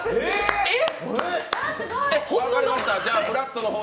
えっ？